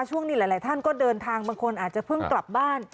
ช่วงนี้หลายท่านก็เดินทางบางคนอาจจะเพิ่งกลับบ้าน